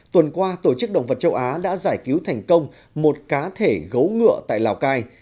tuần qua tổ chức động vật châu á đã giải cứu thành công một cá thể gấu ngựa tại lào cai